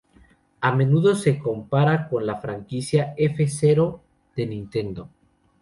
A menudo se compara con la franquicia "F-Zero" de Nintendo.